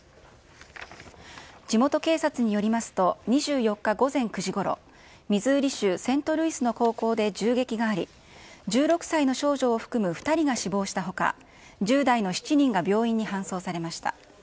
地元警察によりますと、２４日午前９時ごろ、ミズーリ州セントルイスの高校で銃撃があり、１６歳の少女を含む２人が死亡したほか、１０代の７人が病院に搬送されました。